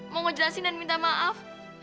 mau ngejelasin dan minta maaf